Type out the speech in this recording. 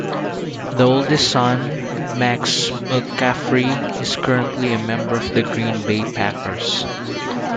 The oldest son, Max McCaffrey, is currently a member of the Green Bay Packers.